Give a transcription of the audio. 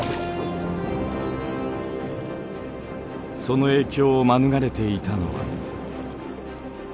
その影響を免れていたのは。